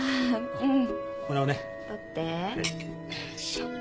うん。